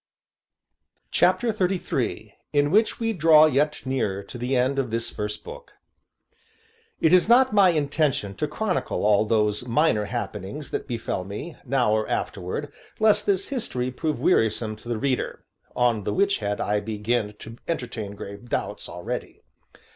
CHAPTER XXXIII IN WHICH WE DRAW YET NEARER TO THE END OF THIS FIRST BOOK It is not my intention to chronicle all those minor happenings that befell me, now or afterward, lest this history prove wearisome to the reader (on the which head I begin to entertain grave doubts already).